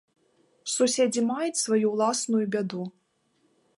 Суседзі маюць сваю ўласную бяду.